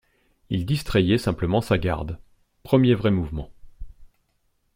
Il distrayait simplement sa garde. Premier vrai mouvement.